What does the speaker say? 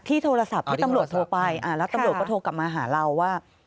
โทรศัพท์ที่ตำรวจโทรไปแล้วตำรวจก็โทรกลับมาหาเราว่า